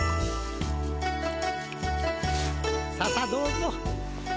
ささっどうぞ。